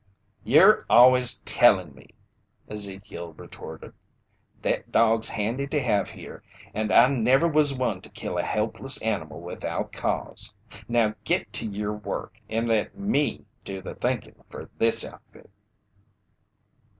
"Yer always tellin' me!" Ezekiel retorted. "Thet dog's handy to heve here, an I never was one to kill a helpless animal without cause. Now git to yer work, and let me do the thinkin' fer this outfit!"